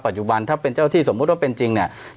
ปัจจุบันถ้าเป็นเจ้าที่สมมุติว่าเป็นจริงเนี่ย